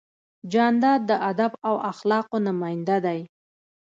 جانداد د ادب او اخلاقو نماینده دی.